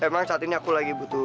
emang saat ini aku lagi butuh